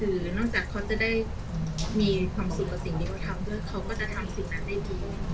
นอกจากเขาจะได้มีความสุขกับสิ่งที่เขาทำด้วยเขาก็จะทำสิ่งนั้นได้ดี